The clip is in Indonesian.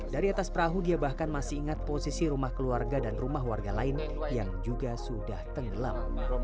dari atas perahu dia bahkan masih ingat posisi rumah keluarga dan rumah warga lain yang juga sudah tenggelam